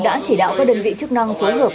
đã chỉ đạo các đơn vị chức năng phối hợp